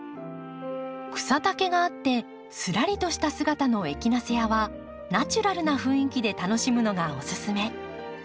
草丈があってすらりとした姿のエキナセアはナチュラルな雰囲気で楽しむのがオススメ。